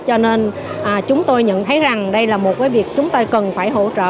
cho nên chúng tôi nhận thấy rằng đây là một cái việc chúng tôi cần phải hỗ trợ